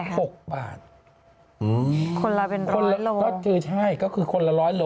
เท่าไหร่ครับอกบาทคือใช่ก็คือคนละร้อยโล